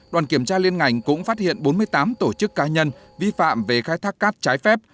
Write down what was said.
đoàn kiểm tra liên ngành cũng phát hiện bốn mươi tám tổ chức cá nhân vi phạm về khai thác cát trái phép